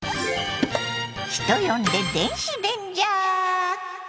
人呼んで電子レンジャー！